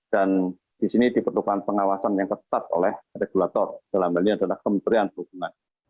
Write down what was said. dan di sini diperlukan pengawasan yang ketat oleh regulator dalam hal ini adalah kementerian perhubungan